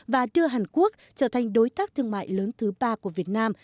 và đưa hàn quốc trở thành đối tác thương mại lớn thứ ba của việt nam